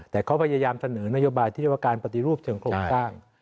แต่เขาพยายามเสนอนโยบายที่เรียกว่าการปฏิรูปเชิงโครงสร้าง